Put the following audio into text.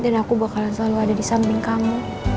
aku bakalan selalu ada di samping kamu